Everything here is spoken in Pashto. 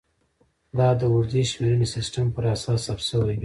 دا د اوږدې شمېرنې سیستم پر اساس ثبت شوې وې